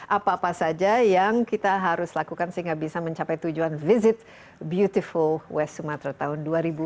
apa apa saja yang kita harus lakukan sehingga bisa mencapai tujuan visit beautiful west sumatra tahun dua ribu dua puluh